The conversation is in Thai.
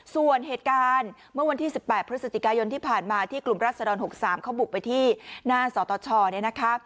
ส่วนเหตุการณ์เมื่อวันที่๑๘พฤศจิกายนที่ผ่านมาที่กลุ่มรัศดร๖๓เขาบุกไปที่หน้าสตชเนี่ยนะคะ